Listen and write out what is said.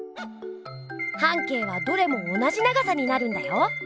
半径はどれも同じ長さになるんだよ。